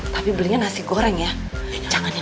paket batu selainnya